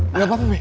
nggak apa apa mui